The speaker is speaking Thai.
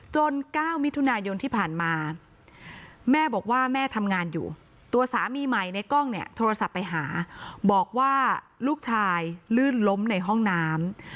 ๙มิถุนายนที่ผ่านมาแม่บอกว่าแม่ทำงานอยู่ตัวสามีใหม่ในกล้องเนี่ยโทรศัพท์ไปหาบอกว่าลูกชายลื่นล้มในห้องน้ำ